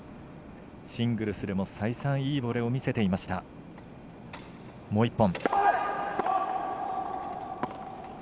シングルスでも再三、いいボレーを見せていました、もう１本。